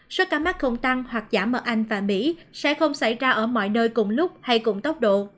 số ca mắc không tăng hoặc giảm ở anh và mỹ sẽ không xảy ra ở mọi nơi cùng lúc hay cùng tốc độ